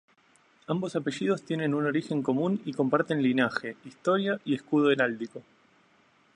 Ambos apellidos tienen un origen común y comparten linaje, historia y escudo heráldico.